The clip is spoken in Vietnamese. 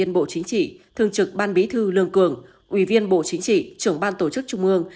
bộ chính trị thường trực ban bí thư lương cường ủy viên bộ chính trị trưởng ban tổ chức trung ương